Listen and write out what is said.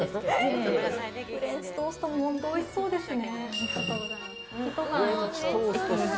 フレンチトーストも本当おいしそうですね。